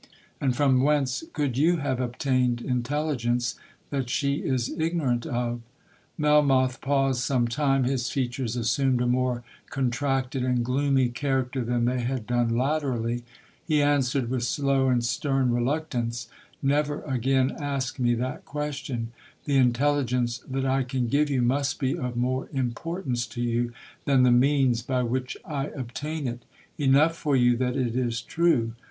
'—'And from whence could you have obtained intelligence that she is ignorant of?' Melmoth paused some time,—his features assumed a more contracted and gloomy character than they had done laterally—he answered with slow and stern reluctance—'Never again ask me that question—the intelligence that I can give you must be of more importance to you than the means by which I obtain it—enough for you that it is true.'